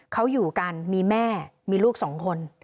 เขาอยู่กันมีแม่มีลูกสองคน